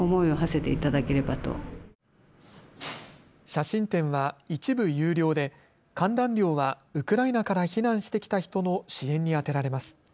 写真展は一部有料で観覧料はウクライナから避難してきた人の支援に充てられます。